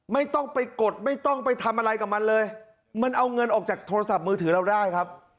ไม่ต้องไปกดไม่ต้องไปทำอะไรกับมันเลยมันเอาเงินออกจากโทรศัพท์มือถือเราได้ครับ